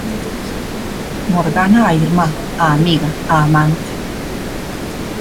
Morgana a irmá, a amiga, a amante.